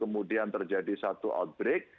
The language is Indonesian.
kemudian terjadi satu outbreak